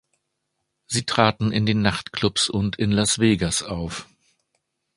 Sie traten In Nachtclubs und in Las Vegas auf.